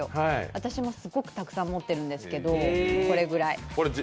私もすごくたくさん持ってるんですけど、これぐらい。